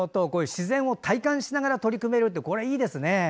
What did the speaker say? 自然を体感しながら取り組めるってこれいいですね。